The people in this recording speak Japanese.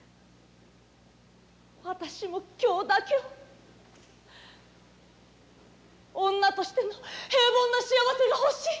私も今日だけは女としての平凡な幸せがほしい。